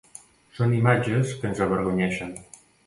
Són imatges que ens avergonyeixen.